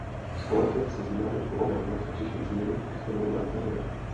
Společně se změnami pohonné jednotky přišly i změny v exteriéru a interiéru.